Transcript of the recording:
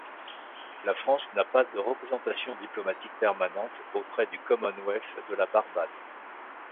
La France n'a pas de représentation diplomatique permanente auprès du Commonwealth de la Barbade.